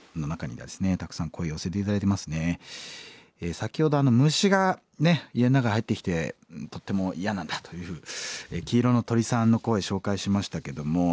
先ほど虫が家の中に入ってきてとっても嫌なんだという黄色の鳥さんの声紹介しましたけどもやっぱり同じ気持ちですよね。